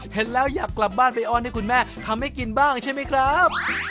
เห็นแล้วอยากกลับบ้านไปอ้อนให้คุณแม่ทำให้กินบ้างใช่ไหมครับ